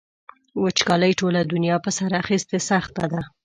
وچکالۍ ټوله دنیا په سر اخیستې سخته ده.